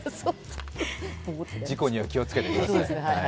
事故には気をつけてください。